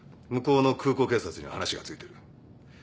向こうの空港警察には話がついてる。